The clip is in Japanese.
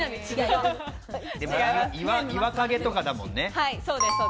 岩陰とかだもんね。